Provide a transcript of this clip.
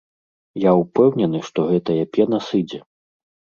Я ўпэўнены, што гэтая пена сыдзе.